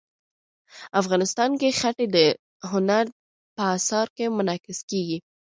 افغانستان کې ښتې د هنر په اثار کې منعکس کېږي.